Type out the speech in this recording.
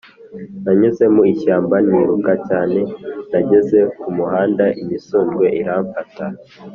nanyuze mu ishyamba niruka cyane Nageze ku muhanda imisundwe iramfata